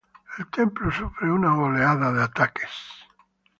El Templo sufre una oleada de ataques.